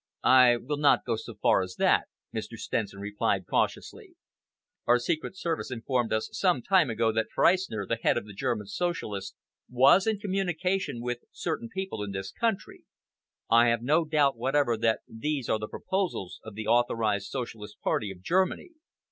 "I will not go so far as that," Mr. Stenson replied cautiously. "Our secret service informed us some time ago that Freistner, the head of the German Socialists, was in communication with certain people in this country. I have no doubt whatever that these are the proposals of the authorised Socialist Party of Germany.